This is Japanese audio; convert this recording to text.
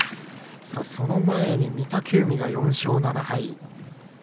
その前に御嶽海が４勝７敗。